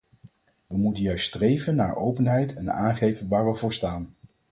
We moeten juist streven naar openheid en aangeven waar we voor staan.